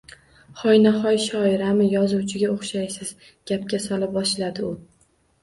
-Hoyna-hoy shoirami, yozuvchiga o’xshaysiz, — gapga sola boshladi u.